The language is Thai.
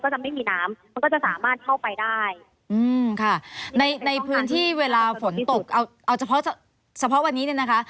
จะไม่มีน้ำมันก็จะสามารถเข้าไปได้อืมค่ะในในพื้นที่เวลาฝนตกเอาเอาเฉพาะเฉพาะวันนี้เนี่ยนะคะ